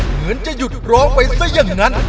เหมือนจะหยุดร้องไปซะอย่างนั้น